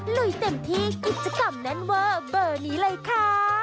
ลุยเต็มที่กิจกรรมแน่นเวอร์เบอร์นี้เลยค่ะ